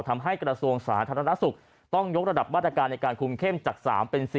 ทำให้กระทรวงศาสนธรรมนักศึกษ์ต้องยกระดับวัดอาการในการควงเค็มจาก๓เป็น๔